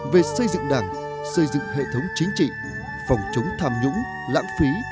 về xây dựng đảng xây dựng hệ thống chính trị phòng chống tham nhũng lãng phí